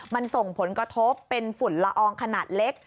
มันส่งผลกระทบเป็นฝุ่นละอองขนาดเล็ก